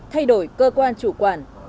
thay đổi cơ quan chủ quản